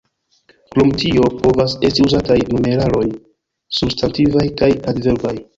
Krom tio povas esti uzataj numeraloj substantivaj kaj adverbaj.